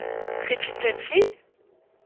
C’est une jeune fille ?